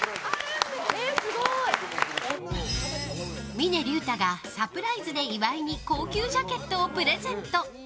峰竜太がサプライズで岩井に高級ジャケットをプレゼント。